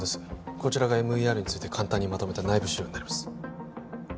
こちらがＭＥＲについて簡単にまとめた内部資料になります